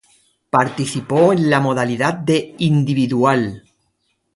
Participó en en la modalidad de Individual.